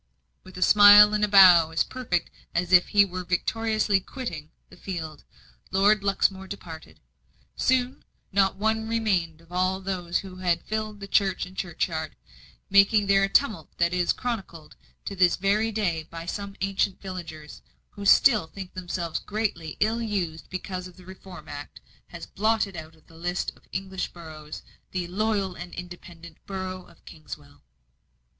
With a smile and bow as perfect as if he were victoriously quitting the field, Lord Luxmore departed. Soon not one remained of all those who had filled the church and churchyard, making there a tumult that is chronicled to this very day by some ancient villagers, who still think themselves greatly ill used because the Reform Act has blotted out of the list of English boroughs the "loyal and independent" borough of Kingswell.